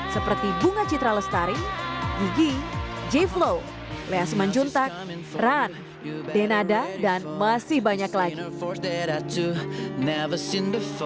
seperti bunga citra lestari gigi j flow lea semen juntak run denada dan masih banyak lagi